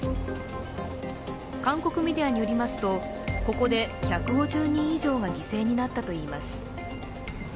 韓国メディアによりますとここで１５０人以上が犠牲になったといいます。